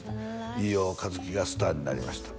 「飯尾和樹がスターに成りました」